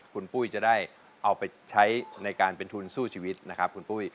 คุณปุ้ยจะได้เอาไปใช้ในการเป็นทุนสู้ชีวิตนะครับคุณปุ้ย